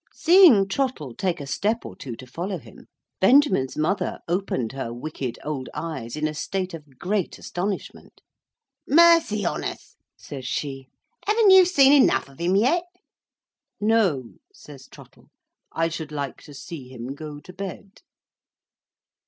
Seeing Trottle take a step or two to follow him, Benjamin's mother opened her wicked old eyes in a state of great astonishment. "Mercy on us!" says she, "haven't you seen enough of him yet?" "No," says Trottle. "I should like to see him go to bed."